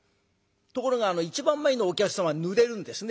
ところが一番前のお客様はぬれるんですね。